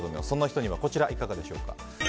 そんな人にはこちら、いかがでしょうか。